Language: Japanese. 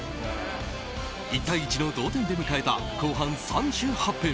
１対１の同点で迎えた後半３８分。